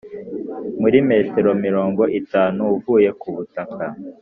muri metero mirongo itanu uvuye ku butaka.